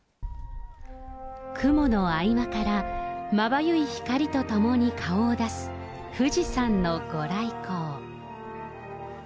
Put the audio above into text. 雲の合間からまばゆい光とともに顔を出す富士山のご来光。